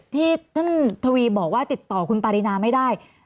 ที่ท่านทวีบอกว่าติดต่อคุณปารีนาไม่ได้